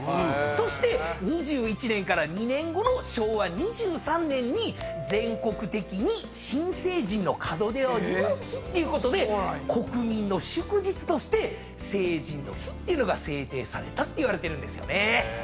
そして２１年から２年後の昭和２３年に全国的に新成人の門出を祝う日っていうことで国民の祝日として成人の日っていうのが制定されたっていわれてるんですよね。